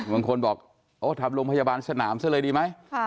บางคนบอกโอ้ทำโรงพยาบาลสนามซะเลยดีไหม